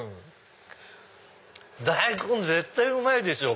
大根絶対うまいでしょ！